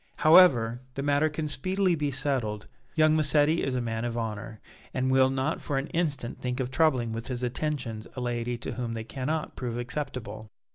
However, the matter can speedily be settled. Young Massetti is a man of honor, and will not for an instant think of troubling with his attentions a lady to whom they cannot prove acceptable."